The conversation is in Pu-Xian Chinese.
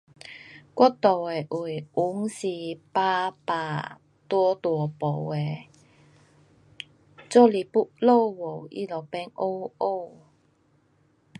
我住的位云是白白大大朵的，若是要落雨它就变黑黑。